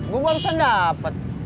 gue barusan dapet